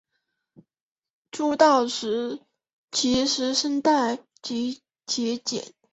出道时其实声带结茧。